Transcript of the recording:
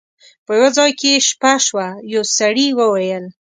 په یو ځای کې یې شپه شوه یو سړي وویل.